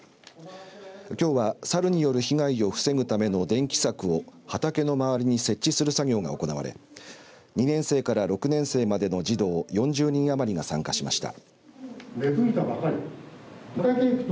きょうは、サルによる被害を防ぐための電気柵を畑の周りに設置する作業が行われ２年生から６年生までの児童４０人余りが参加しました。